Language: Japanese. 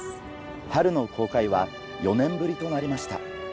春の公開は４年ぶりとなりました。